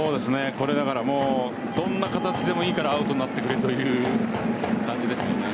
これ、だからどんな形でもいいからアウトになってくれという感じですよね。